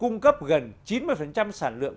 cung cấp gần chín mươi sản lượng